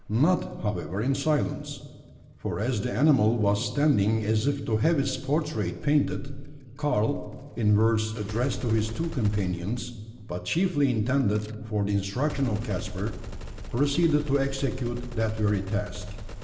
Not, however, in silence: for as the animal was standing as if to have its portrait painted, Karl, in words addressed to his two companions, but chiefly intended for the instruction of Caspar, proceeded to execute that very task.